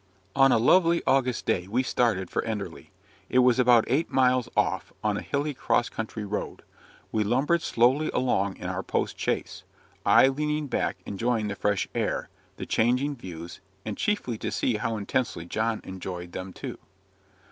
On a lovely August day we started for Enderley. It was about eight miles off, on a hilly, cross country road. We lumbered slowly along in our post chaise; I leaning back, enjoying the fresh air, the changing views, and chiefly to see how intensely John enjoyed them too.